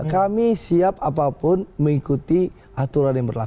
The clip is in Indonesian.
kami siap apapun mengikuti aturan yang berlaku